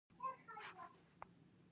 د ناکامیو څخه زده کړه اړینه ده.